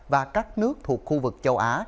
và các nước thuộc khu vực châu á